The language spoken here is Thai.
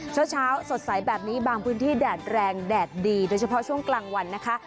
เช้าสดใสแบบนี้บางพื้นที่แดดแรงแดดดีโดยเฉพาะช่วงกลางวันนะคะ